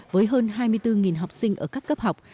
với hơn hai mươi bốn học sinh ở các cấp học